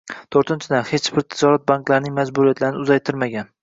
To'rtinchidan, hech kim tijorat banklarining majburiyatlarini uzaytirmagan